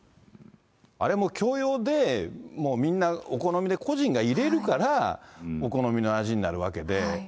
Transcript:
あれもう共用で、もうみんな、お好みで個人が入れるから、お好みの味になるわけで。